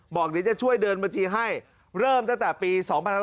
บอกเดี๋ยวจะช่วยเดินบัญชีให้เริ่มตั้งแต่ปี๒๕๖๒